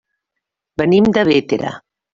Venim de Bétera.